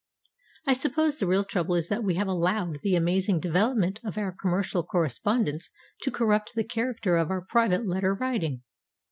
I suppose the real trouble is that we have allowed the amazing development of our commercial correspondence to corrupt the character of our private letter writing.